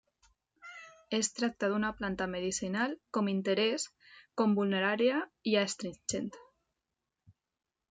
Es tracta d'una planta medicinal com interès com vulnerària i astringent.